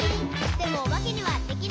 「でもおばけにはできない。」